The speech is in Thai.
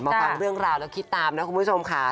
ฟังเรื่องราวแล้วคิดตามนะคุณผู้ชมค่ะ